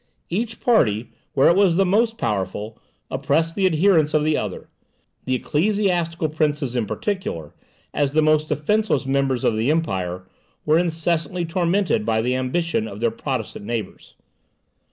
Each party, where it was the most powerful, oppressed the adherents of the other; the ecclesiastical princes in particular, as the most defenceless members of the empire, were incessantly tormented by the ambition of their Protestant neighbours.